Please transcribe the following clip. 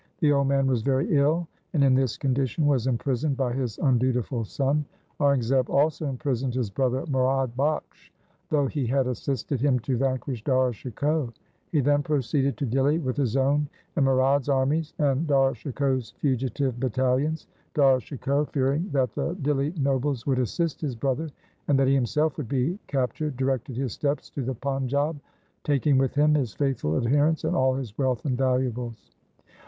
The old man was very ill, and in this condition was imprisoned by his undutiful son. Aurangzeb also imprisoned his brother Murad Bakhsh though he had assisted him to vanquish Dara Shikoh. He then proceeded to Dihli with his own and Murad's armies, and Dara Shikoh's fugitive battalions. Dara Shikoh, fearing that the Dihli nobles would assist his brother and that he himself would be captured, directed his steps to the Panjab, taking with him his faithful adherents and all his wealth and valuables.